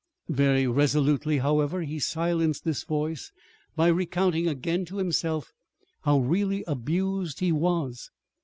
Very resolutely, however, he silenced this voice by recounting again to himself how really abused he was.